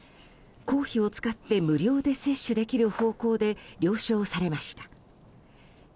公費を使って無料で接種できる方向で了承されました。